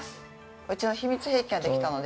うちの秘密兵器ができたので。